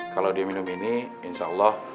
kalau dia minum ini insya allah